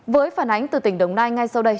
với phản ánh từ tỉnh đồng nai ngay sau đây